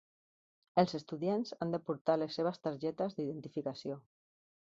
Els estudiants han de portar les seves targetes d'identificació.